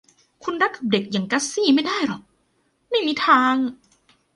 คุณรักกับเด็กอย่างกัสซี่ไม่ได้หรอก ไม่มีทาง